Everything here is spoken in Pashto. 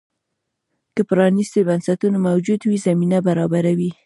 که پرانیستي بنسټونه موجود وي، زمینه برابروي.